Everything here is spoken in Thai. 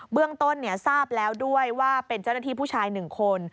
เรื่องต้นทราบแล้วด้วยว่าเป็นเจ้าหน้าที่ผู้ชาย๑คน